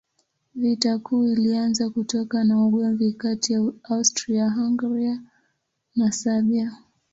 Vita Kuu ilianza kutokana na ugomvi kati ya Austria-Hungaria na Serbia.